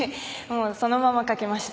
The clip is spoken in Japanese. そのまま書きました。